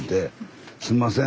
すんません。